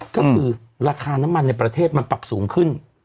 ก็คือราคาน้ำมันในประเทศมันปรับสูงขึ้น